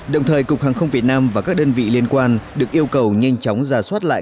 đồng thời cục hàng không việt nam và các đơn vị liên quan được yêu cầu nhanh chóng giả soát lại